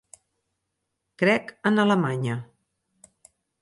Crec en Alemanya.